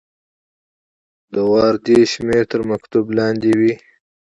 د واردې شمیره تر مکتوب لاندې وي.